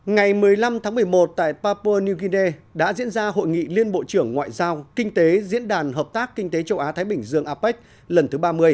ngày một mươi năm tháng một mươi một tại papua new guinea đã diễn ra hội nghị liên bộ trưởng ngoại giao kinh tế diễn đàn hợp tác kinh tế châu á thái bình dương apec lần thứ ba mươi